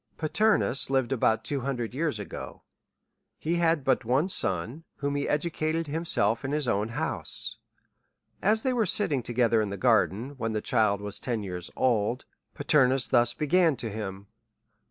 Paternus lived about t5VO hundred years ago ; he had but one son^ whom he educated himself in his own house. As they were sitting together in the gar den, when the child was ten years old^ Paternus thus began to him.